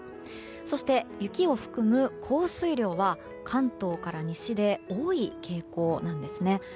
そして雪を含む降水量は関東から西で多い傾向なんです。